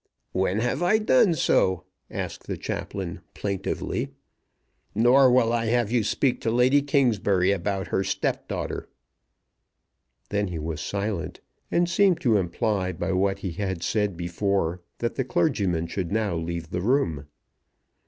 "When have I done so?" asked the chaplain plaintively. "Nor will I have you speak to Lady Kingsbury about her step daughter." Then he was silent, and seemed to imply, by what he had said before, that the clergyman should now leave the room.